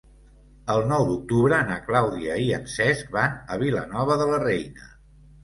El nou d'octubre na Clàudia i en Cesc van a Vilanova de la Reina.